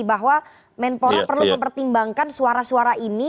bahwa menpora perlu mempertimbangkan suara suara ini